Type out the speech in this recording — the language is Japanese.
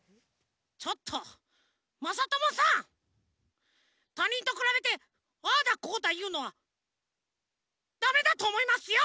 ちょっとまさともさたにんとくらべてああだこうだいうのはダメだとおもいますよ！